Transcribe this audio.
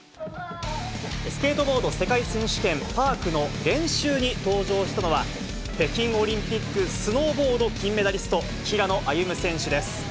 スケートボード世界選手権、パークの練習に登場したのは、北京オリンピックスノーボード金メダリスト、平野歩夢選手です。